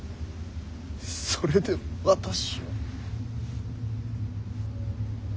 それで私を。